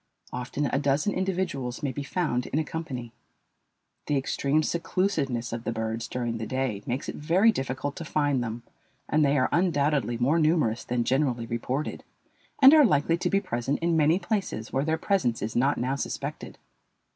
Often a dozen individuals may be found in a company. The extreme seclusiveness of the birds during the day makes it very difficult to find them, and they are undoubtedly more numerous than generally reported, and are likely to be present in many places where their presence is not now suspected.